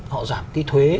họ giảm cái thuế